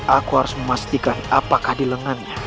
aku harus memastikan apakah di lengannya